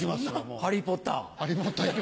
ハリー・ポッター。